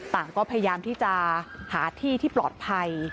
ต่างก็พยายามที่จะหาที่ที่ปลอดภัย